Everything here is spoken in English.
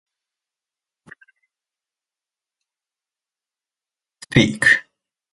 Peak.